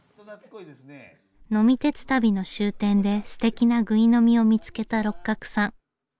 呑み鉄旅の終点ですてきなぐい呑みを見つけた六角さん。